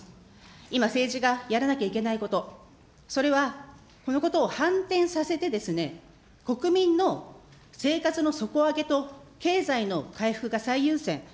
今、政治がやらなきゃいけないこと、それはこのことを反転させてですね、国民の生活の底上げと経済の回復が最優先。